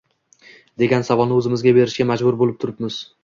degan savolni o‘zimizga berishga majbur bo‘lib turibmiz.